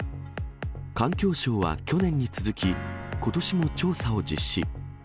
環境省は去年に続き、ことしも調査を実施。